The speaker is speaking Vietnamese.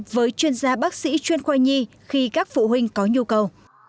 với chuyên gia bác sĩ chuyên khoai nhi khi các phụ huynh có nhu cầu